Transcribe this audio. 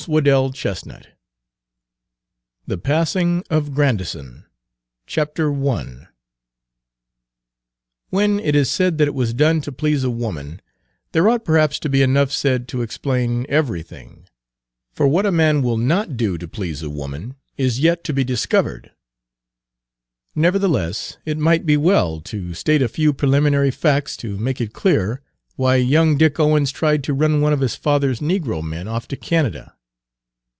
Page 168 THE PASSING OF GRANDISON I WHEN it is said that it was done to please a woman, there ought perhaps to be enough said to explain anything; for what a man will not do to please a woman is yet to be discovered. Nevertheless, it might be well to state a few preliminary facts to make it clear why young Dick Owens tried to run one of his father's negro men off to Canada.